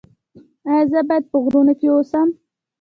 ایا زه باید په غرونو کې اوسم؟